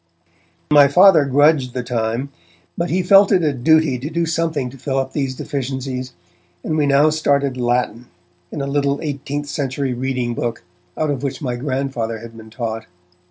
My Father grudged the time, but he felt it a duty to do something to fill up these deficiencies, and we now started Latin, in a little eighteenth century reading book, out of which my Grandfather had been taught.